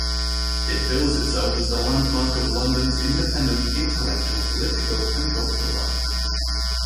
It bills itself as The landmark of London's independent intellectual, political and cultural life.